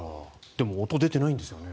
でも、音出てないんですよね。